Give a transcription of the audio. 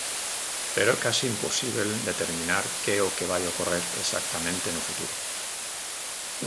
Pero é case imposíbel determinar que é o que vai ocorrer exactamente no futuro.